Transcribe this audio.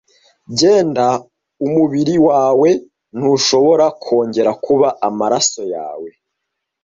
genda umubiri wawe ntushobora kongera kuba amaraso yawo